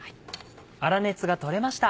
粗熱がとれました。